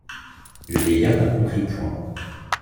Le vieillard ne comprit point.